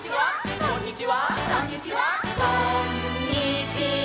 「こんにちは」